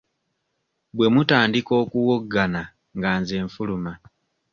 Bwe mutandika okuwoggana nga nze nfuluma.